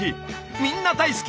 みんな大好き！